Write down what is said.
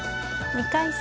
２回戦